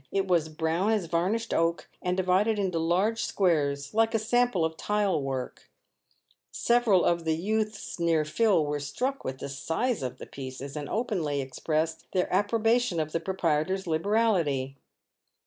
It was brown as varnished oak, and divided into large squares like a sample of tile work. Several of the PAVED WITH GOLD. 83 youths near Phil were struck with the size of the pieces, and openly expressed their approbation of the proprietor's liberality.